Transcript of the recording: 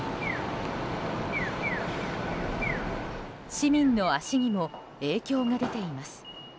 市民の足にも影響が出ています。